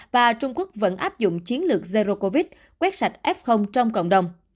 và trung quốc vẫn áp dụng chiến lược zero covid quét sạch f trong cộng đồng